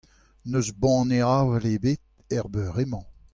N'eus banne avel ebet er beure-mañ.